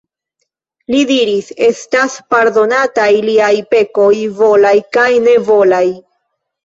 Li diris: "Estas pardonataj liaj pekoj volaj kaj nevolaj."